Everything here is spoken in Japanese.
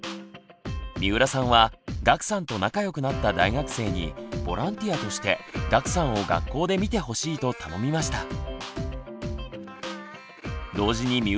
三浦さんは岳さんと仲よくなった大学生にボランティアとして岳さんを学校で見てほしいと頼みました。